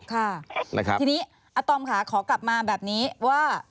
ทีนี้อาตอมขอกลับมาแบบนี้ว่า